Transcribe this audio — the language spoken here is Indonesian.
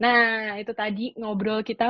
nah itu tadi ngobrol kita